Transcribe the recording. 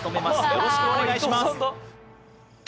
よろしくお願いします。